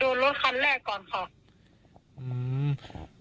โดนรถคันแรกก่อนค่ะ